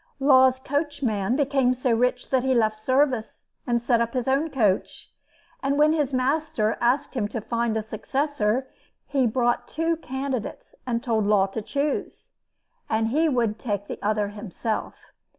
Law's coachman became so rich that he left service, and set up his own coach; and when his master asked him to find a successor, he brought two candidates, and told Law to choose, and he would take the other himself.